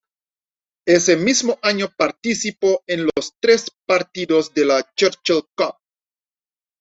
Ese mismo año participó en los tres partidos de la Churchill Cup.